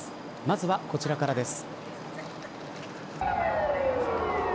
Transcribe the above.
まずは、こちらからです。